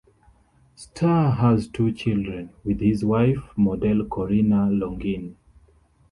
Starr has two children, with his wife, model Korina Longin.